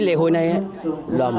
lễ hội này là muốn cho nó tốt đẹp